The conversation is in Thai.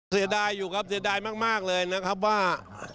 เสียดายอยู่ครับเสียดายมากเลยนะครับว่า